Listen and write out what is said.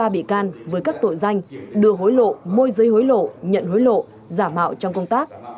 bốn mươi ba bị can với các tội danh đưa hối lộ môi giấy hối lộ nhận hối lộ giả mạo trong công tác